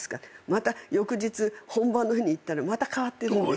また翌日本番の日に行ったらまた変わってるんですよ。